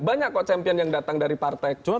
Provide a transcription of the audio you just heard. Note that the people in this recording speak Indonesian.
banyak kok champion yang datang dari partai kepala daerah